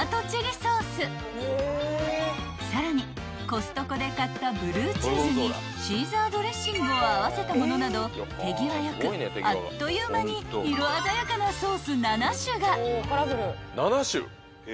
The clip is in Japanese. ［さらにコストコで買ったブルーチーズにシーザードレッシングを合わせたものなど手際よくあっという間に色鮮やかなソース７種が］